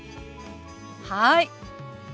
はい。